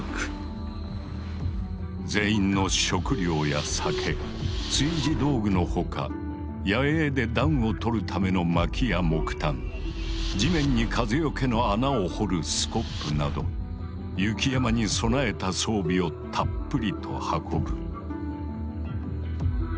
全員の食料や酒炊事道具の他野営で暖をとるための薪や木炭地面に風よけの穴を掘るスコップなど雪山に備えた装備をたっぷりと運ぶ。